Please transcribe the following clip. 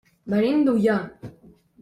Venim d'Ullà.